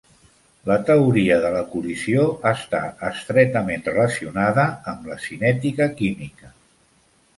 La teoria de la col·lisió està estretament relacionada amb la cinètica química.